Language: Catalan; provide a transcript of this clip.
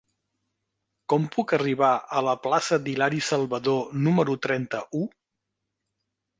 Com puc arribar a la plaça d'Hilari Salvadó número trenta-u?